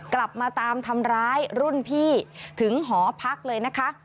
กลับมาตามทำร้ายรุ่นพี่ถึงหอพักเลยนะคะ